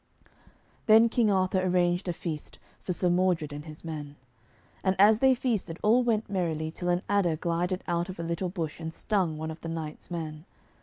Then King Arthur arranged a feast for Sir Modred and his men. And as they feasted all went merrily till an adder glided out of a little bush and stung one of the knight's men.